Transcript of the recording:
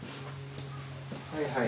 はいはい。